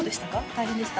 大変でした？